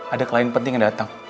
ada klien penting yang datang